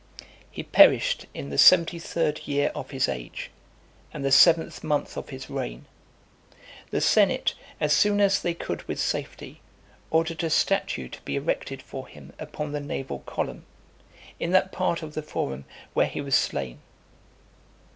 XXIII. He perished in the seventy third year of his age, and the seventh month of his reign . The senate, as soon as they could with safety, ordered a statue to be erected for him upon the naval column, in that part of the Forum where he (415) was slain.